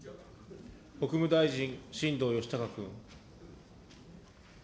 国務大臣、新藤義孝君。